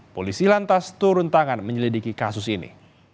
polisi lantas turun tangan menyelidiki kasus ini